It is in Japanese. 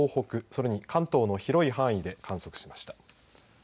それに関東の広い範囲で観測しました。